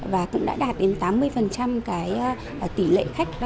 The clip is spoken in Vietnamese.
và cũng đã đạt đến tám mươi tỷ lệ khách